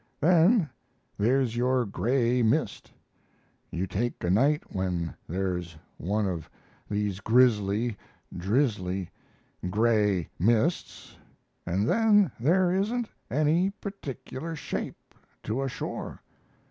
Then there's your gray mist. You take a night when there's one of these grisly, drizzly, gray mists, and then there isn't any particular shape to a shore.